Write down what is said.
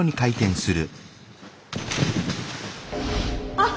あっ！